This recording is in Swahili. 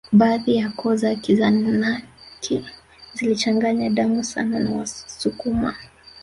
Baadhi ya koo za Kizanaki zilichanganya damu sana na Wasukuma